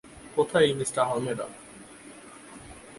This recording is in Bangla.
কোথায় এই মিস্টার আলমেডা?